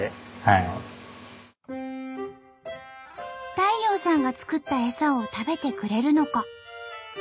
太陽さんが作ったエサを食べてくれるのか。